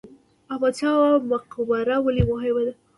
احمد شاه بابا مقبره ولې مهمه ده؟